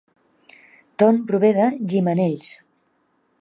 Ton prové de Gimenells